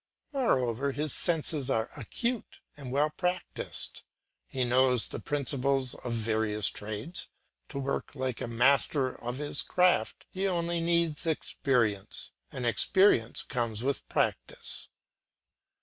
Moreover his senses are acute and well practised, he knows the principles of the various trades; to work like a master of his craft he only needs experience, and experience comes with practice.